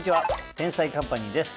『天才‼カンパニー』です。